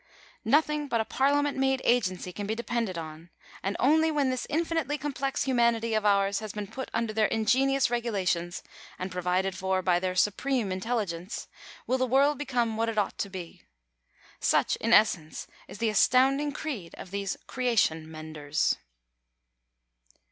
Nothing but a parliament made agency can be depended upon ; and only when this infinitely complex humanity of ours has been put under their ingenious regulations, and provided for by their supreme intelligence, will the world become what it ought to be! Such, in essence, is the astounding creed of these creation menders.